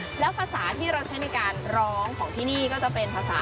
แม่จิลค่ะเกือบร้อยเพลงเลยแต่ว่า